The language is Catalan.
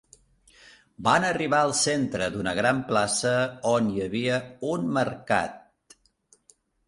Van arribar al centre d'una gran plaça on hi havia un mercat.